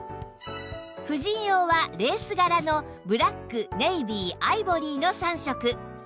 婦人用はレース柄のブラックネイビーアイボリーの３色